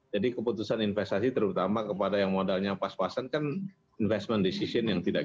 jadi keputusan investasi terutama kepada yang modalnya pas pasan kan investment decision yang tidak